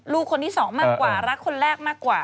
ลูกคนที่สองมากกว่ารักคนแรกมากกว่า